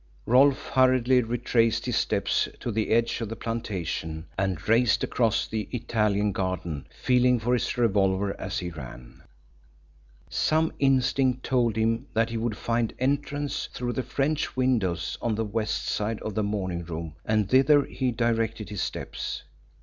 Rolfe hurriedly retraced his steps to the edge of the plantation, and raced across the Italian garden, feeling for his revolver as he ran. Some instinct told him that he would find entrance through the French windows on the west side of the morning room, and thither he directed his steps.